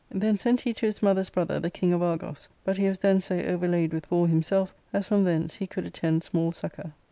Then sent he ^^ to his mother's brother the king of Argos, but he was then so over laid with war himself as from thence he could attend small succour.